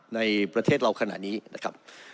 ในประเทศเราขณะนี้นะครับ